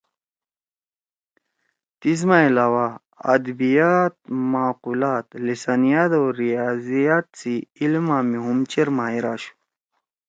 تیسما علاوہ ادبیات، معقولات، لسانیات او ریاضیات سی عِلما می ہُم چیر ماہر آشُو